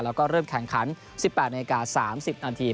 แล้วก็เริ่มแข่งขัน๑๘นาที๓๐นาที